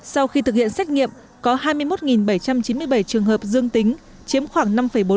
sau khi thực hiện xét nghiệm có hai mươi một bảy trăm chín mươi bảy trường hợp dương tính chiếm khoảng năm bốn